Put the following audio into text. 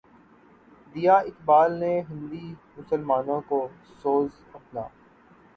دیا اقبالؔ نے ہندی مسلمانوں کو سوز اپنا